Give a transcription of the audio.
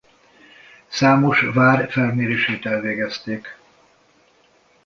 Számos vár felmérését elvégezték.